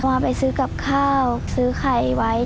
ว่าไปซื้อกับข้าวซื้อไข่ไว้